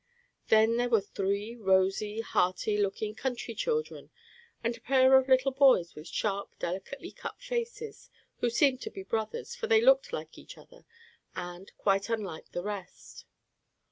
Then there were three rosy, hearty looking country children, and a pair of little boys, with sharp, delicately cut faces, who seemed to be brothers, for they looked like each other and quite unlike the rest.